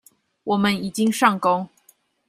我們已經上工